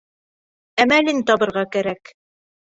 Әмәлен табырға кәрәк.